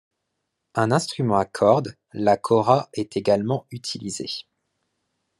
Un instrument à corde, la kora est également utilisé.